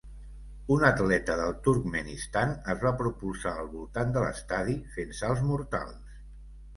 Un atleta del Turkmenistan es va propulsar al voltant de l'estadi fent salts mortals.